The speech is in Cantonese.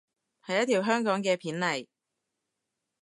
係一條香港嘅片嚟